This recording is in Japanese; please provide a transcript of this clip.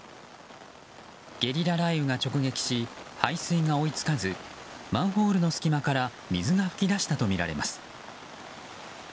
ゲリラ雷雨が直撃し排水が追い付かずマンホールの隙間から水が噴き出したとみられます。